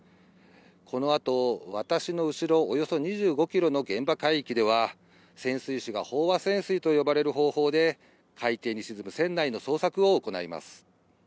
この後、私の後ろおよそ２５キロの現場海域では、潜水士が飽和潜水と呼ばれる方法で海底に沈む船内の捜索を行います。